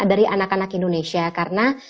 dari anak anak indonesia karena